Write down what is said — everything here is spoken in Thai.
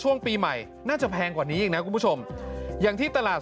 ช่วงปีใหม่น่าจะแพงกว่านี้อีกนะคุณผู้ชมอย่างที่ตลาด